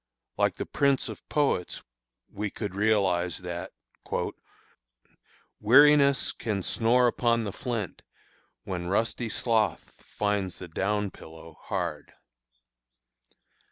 Like the prince of poets, we could realize that Weariness Can snore upon the flint, when rusty sloth Finds the down pillow hard.